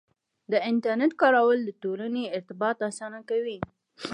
د انټرنیټ کارول د ټولنې ارتباط اسانه کوي.